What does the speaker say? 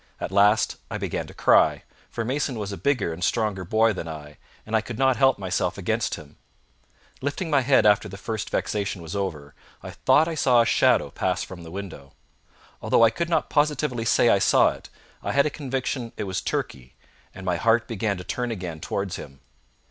At last I began to cry, for Mason was a bigger and stronger boy than I, and I could not help myself against him. Lifting my head after the first vexation was over, I thought I saw a shadow pass from the window. Although I could not positively say I saw it, I had a conviction it was Turkey, and my heart began to turn again towards him.